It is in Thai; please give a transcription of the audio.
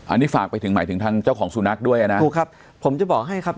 อันนี้ฝากไปถึงหมายถึงทางเจ้าของสุนัขด้วยอ่ะนะถูกครับผมจะบอกให้ครับ